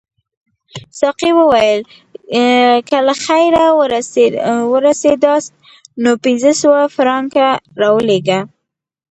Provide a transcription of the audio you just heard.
ساقي وویل که له خیره ورسیداست نو پنځه سوه فرانکه راولېږه.